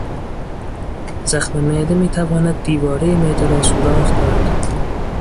زخم معده میتواند دیوارهی معده را سوراخ کند